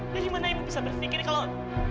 dari mana ibu bisa berpikir kalau